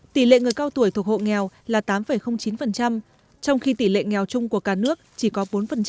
tỷ lệ người cao tuổi thuộc hộ nghèo là tám chín trong khi tỷ lệ nghèo chung của cả nước chỉ có bốn